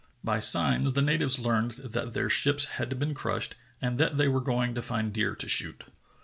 By signs the natives learned that their ships had been crushed and that they were going to find deer to shoot.